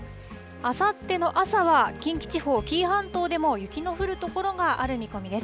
あさっての朝は近畿地方、紀伊半島でも雪の降る所がある見込みです。